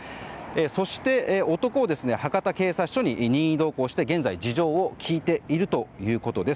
そして、男を博多警察署に任意同行して、現在事情を聴いているということです。